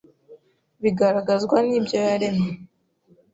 bigaragazwa n’ibyo yaremye.